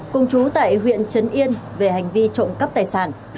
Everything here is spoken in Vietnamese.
cùng chú tại huyện trấn yên về hành vi trộm cắp tài sản